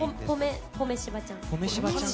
ポメ柴ちゃん